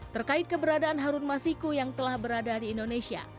terkait keberadaan harun masiku yang telah berada di indonesia